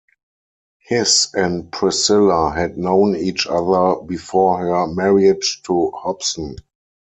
Hiss and Priscilla had known each other before her marriage to Hobson.